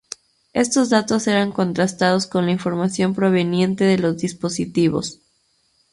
Estos datos eran contrastados con la información proveniente de los dispositivos.